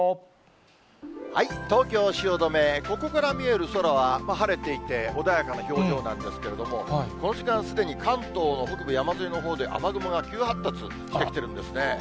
東京・汐留、ここから見える空は晴れていて、穏やかな表情なんですけれども、この時間、すでに関東北部山沿いのほうで雨雲が急発達してきてるんですね。